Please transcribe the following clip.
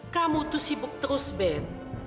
kamu tuh sibuk terus ben